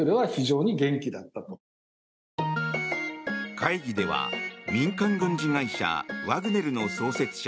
会議では民間軍事会社ワグネルの創設者